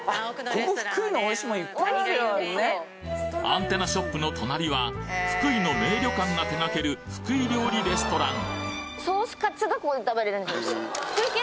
アンテナショップの隣は福井の名旅館が手がける福井料理レストラン